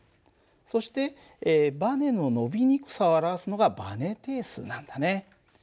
そしてばねの伸びにくさを表すのがばね定数なんだね。